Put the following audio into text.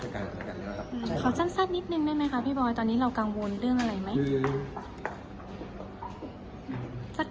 ขอสั้นนิดนึงได้ไหมคะพี่บอยตอนนี้เรากังวลเรื่องอะไรไหม